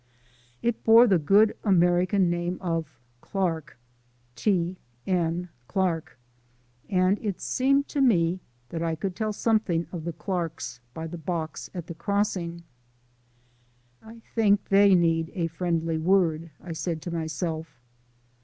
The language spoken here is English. It bore the good American name of Clark T. N. Clark and it seemed to me that I could tell something of the Clarks by the box at the crossing. "I think they need a friendly word," I said to myself.